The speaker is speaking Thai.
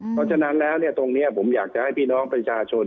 เพราะฉะนั้นแล้วตรงนี้ผมอยากจะให้พี่น้องประชาชน